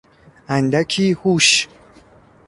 اندکی هوش